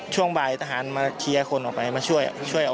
ช่วงบ่ายทหารมาเคลียร์คนออกไปมาช่วยช่วยออก